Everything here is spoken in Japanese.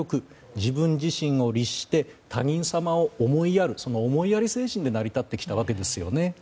自分自身を律して他人様を思いやるその思いやり精神で成り立ってきたわけですよね。